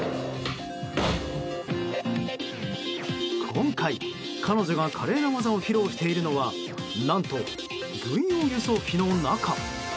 今回、彼女が華麗な技を披露しているのは何と軍用輸送機の中。